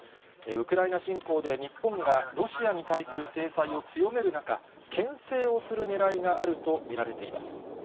ウクライナ侵攻で、日本がロシアに対する制裁を強める中、けん制をするねらいがあると見られています。